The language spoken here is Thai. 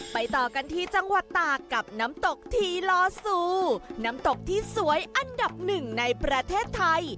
ต่อกันที่จังหวัดตากกับน้ำตกทีลอซูน้ำตกที่สวยอันดับหนึ่งในประเทศไทย